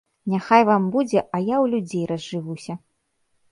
Няхай вам будзе, а я ў людзей разжывуся.